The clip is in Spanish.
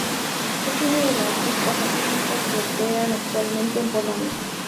Es una de las diez casas líricas que operan actualmente en Polonia.